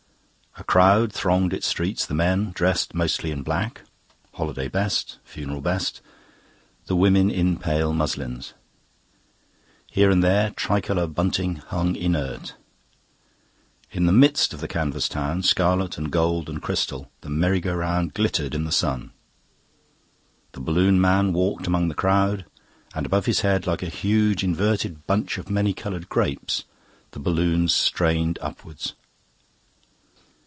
A crowd thronged its streets, the men dressed mostly in black holiday best, funeral best the women in pale muslins. Here and there tricolour bunting hung inert. In the midst of the canvas town, scarlet and gold and crystal, the merry go round glittered in the sun. The balloon man walked among the crowd, and above his head, like a huge, inverted bunch of many coloured grapes, the balloons strained upwards.